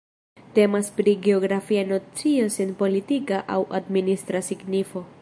Temas pri geografia nocio sen politika aŭ administra signifo.